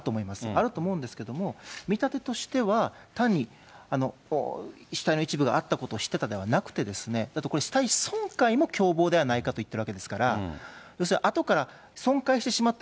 あると思うんですけれども、見立てとしては、単に死体の一部があったことを知ってたのではなくて、だってこれ、死体損壊も共謀ではないかと言ってるわけですから、要するに、あとから損壊してしまった、